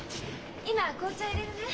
今紅茶いれるね。